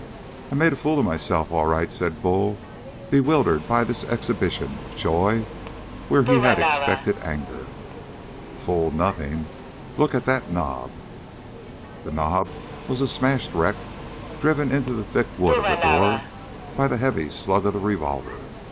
"I made a fool of myself, all right," said Bull, bewildered by this exhibition of joy where he had expected anger. "Fool nothing! Look at that knob!" The doorknob was a smashed wreck, driven into the thick wood of the door by the heavy slug of the revolver.